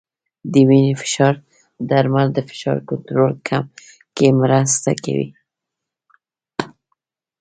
د وینې فشار درمل د فشار کنټرول کې مرسته کوي.